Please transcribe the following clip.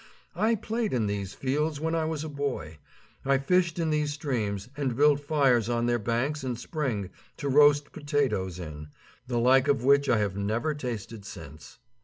I played in these fields when I was a boy. I fished in these streams and built fires on their banks in spring to roast potatoes in, the like of which I have never tasted since.